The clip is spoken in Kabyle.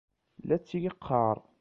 La tt-yeqqar.